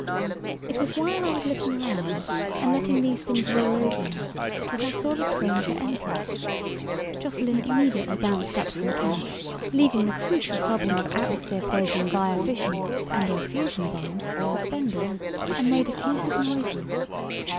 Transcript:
It was while I was looking around, and letting these things roll over me, that I saw the stranger enter. Jocelyn immediately bounced up from a couch, leaving the crucial problem of atmosphere poisoning via fission and/or fusion bombs suspended, and made effusive noises.